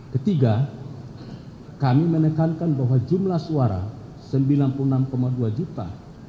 ketiga kami menekankan bahwa jumlah suara sembilan puluh enam dua juta